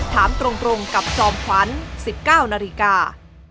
ถามตรงกับจอมขวัญ๑๙นาฬิกา